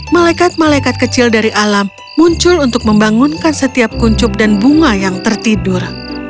malaikat malaikat kecil dari alam muncul untuk membangunkan setiap kuncup dan bunga yang tertidur